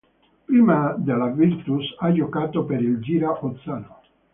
Prima della Virtus, ha giocato per il Gira Ozzano.